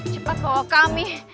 cepat bawa kami